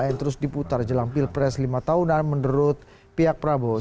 yang terus diputar jelang pilpres lima tahunan menurut pihak prabowo